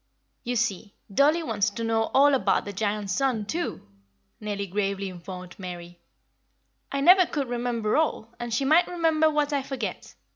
"You see, dollie wants to know all about Giant Sun, too," Nellie gravely informed Mary. "I never could remember all, and she might remember what I forget.